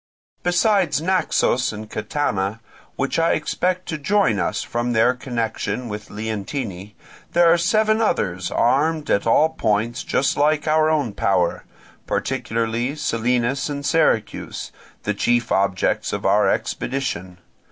Besides Naxos and Catana, which I expect to join us from their connection with Leontini, there are seven others armed at all points just like our own power, particularly Selinus and Syracuse, the chief objects of our expedition.